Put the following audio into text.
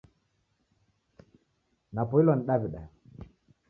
Napoilwa ni daw'ida